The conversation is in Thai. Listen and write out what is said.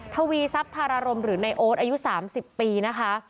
ทวีซับทารารมณ์หรือไนโอ๊ตอายุสามสิบปีนะคะ